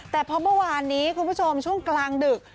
แต่เพราะเมื่อวานนี้คุณผู้ชมช่วงกลางดึก